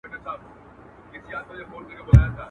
را رسوا مي جانان نه کړې چي نن شپه ماته راځینه.